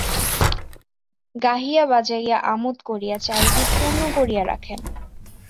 গাহিয়া বাজাইয়া, আমোদ করিয়া চারিদিক পূর্ণ করিয়া রাখেন।